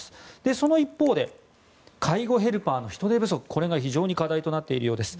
その一方で介護ヘルパーの人手不足これが非常に課題となっているようです。